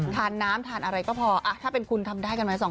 ทานน้ำทานอะไรก็พอถ้าเป็นคุณทำได้กันไหม